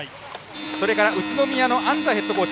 それから宇都宮の安齋ヘッドコーチ。